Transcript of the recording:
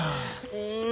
うん。